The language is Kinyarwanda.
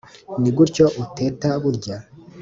ni gutyo uteta burya?